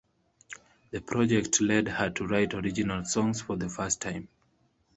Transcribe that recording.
The project led her to write original songs for the first time.